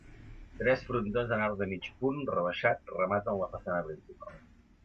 Tres frontons en arc de mig punt rebaixat rematen la façana principal.